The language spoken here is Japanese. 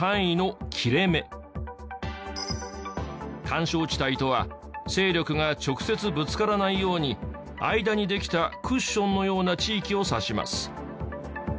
緩衝地帯とは勢力が直接ぶつからないように間にできたクッションのような地域を指します。